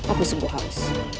aku sungguh haus